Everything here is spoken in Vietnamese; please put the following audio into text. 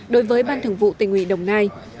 đối với ban thường vụ tình huy đồng nai